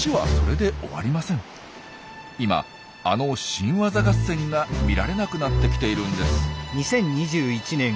今あの新ワザ合戦が見られなくなってきているんです。